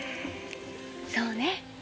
そうね。